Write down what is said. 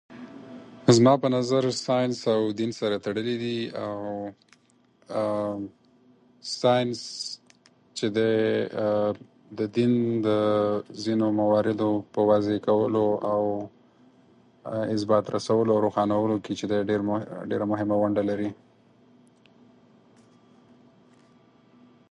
زما په نظر، ساینس او دین سره تړلي دي، او ساینس چې دی، د دین د ځينو مواردو په واضح کولو، او اثبات رسولو، او روښانولو کې چې دی، ډېره مهمه ونډه لري.